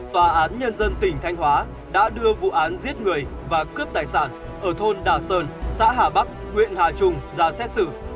tòa án nhân dân tỉnh thanh hóa đã đưa vụ án giết người và cướp tài sản ở thôn đà sơn xã hà bắc huyện hà trung ra xét xử